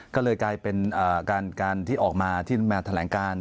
ก็เลยกลายเป็นการที่ออกมาที่มาแถลงการ